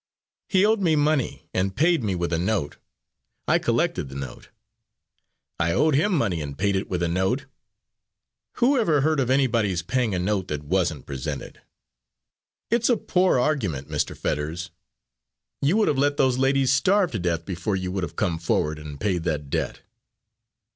He owed me money, and paid me with a note. I collected the note. I owed him money and paid it with a note. Whoever heard of anybody's paying a note that wasn't presented?" "It's a poor argument, Mr. Fetters. You would have let those ladies starve to death before you would have come forward and paid that debt."